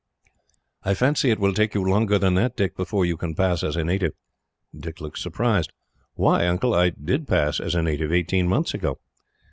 "I fancy it will take you longer than that, Dick, before you can pass as a native." Dick looked surprised. "Why, Uncle, I did pass as a native, eighteen months ago."